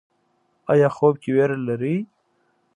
ایا خوب کې ویره لرئ؟